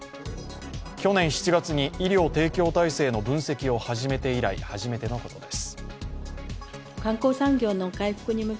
去年７月に医療提供体制の分析を始めて以来、初めてのことです。